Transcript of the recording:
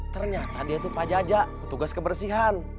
ternyata dia itu pak jajak petugas kebersihan